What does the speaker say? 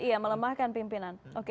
iya melemahkan pimpinan